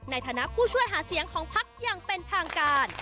ในฐานะผู้ช่วยหาเสียงของพักอย่างเป็นทางการ